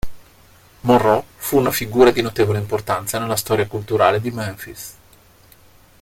Monroe fu una figura di notevole importanza nella storia culturale di Memphis.